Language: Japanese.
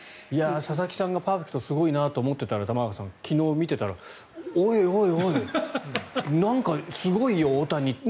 佐々木さんがパーフェクトすごいなと思っていたら玉川さん、昨日見ていたらおいおいおいなんかすごいよ、大谷って。